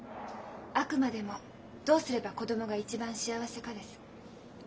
あくまでも「どうすれば子供が一番幸せか」です。